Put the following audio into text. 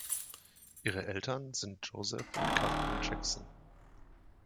Ihre Eltern sind Joseph und Katherine Jackson.